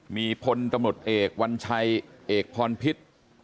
มีพลตำรวจเอกวัญชัยเอกพรพิษ